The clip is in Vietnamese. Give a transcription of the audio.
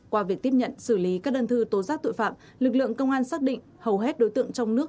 qua việc tiếp nhận xử lý các đơn thư tố giác tội phạm lực lượng công an xác định hầu hết đối tượng trong nước